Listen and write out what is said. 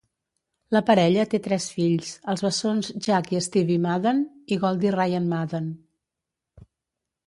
La parella té tres fills, els bessons Jack i Stevie Madden, i Goldie Ryan Madden.